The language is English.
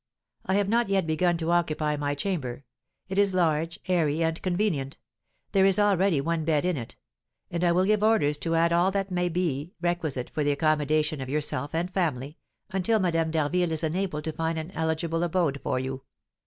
I have not yet begun to occupy my chamber; it is large, airy, and convenient. There is already one bed in it; and I will give orders to add all that may be requisite for the accommodation of yourself and family, until Madame d'Harville is enabled to find an eligible abode for you.